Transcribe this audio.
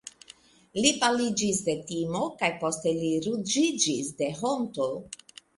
Li paliĝis de timo kaj poste li ruĝiĝis de honto.